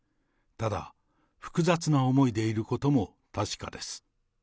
ただ複雑な思いでいることも確かです。